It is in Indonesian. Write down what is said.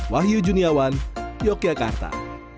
wahyu juniawan yogyakarta